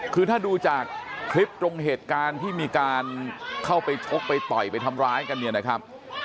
คือถ้าดูจากคลิปตรงเหตุการณ์ที่มีการเข้าไปชกไปต่อยไปทำร้ายกันเนี่ยนะครับ